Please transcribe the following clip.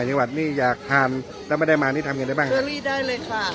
จังหวัดนี่อยากทานถ้าไม่ได้มานี่ทำไงได้บ้างเชอรี่ได้เลยค่ะ